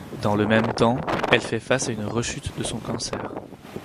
Dans le même temps, elle fait face à une rechute de son cancer.